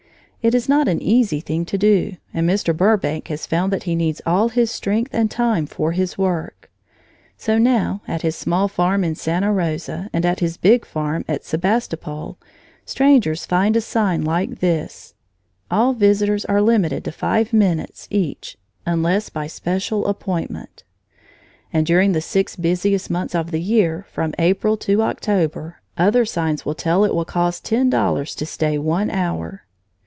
It is not an easy thing to do, and Mr. Burbank has found that he needs all his strength and time for his work. So now, at his small farm at Santa Rosa and at his big farm at Sebastopol, strangers find a sign like this: ++| ALL VISITORS ARE LIMITED || TO FIVE MINUTES EACH UNLESS || BY SPECIAL APPOINTMENT |++ And during the six busiest months of the year, from April to October, other signs tell that it will cost ten dollars to stay one hour.